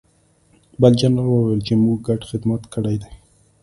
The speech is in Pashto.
بل جنرال وویل چې موږ ګډ خدمت کړی دی